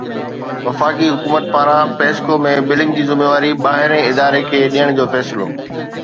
وفاقي حڪومت پاران پيسڪو ۾ بلنگ جي ذميواري ٻاهرين اداري کي ڏيڻ جو فيصلو